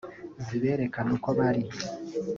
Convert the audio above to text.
ziberekana uko bari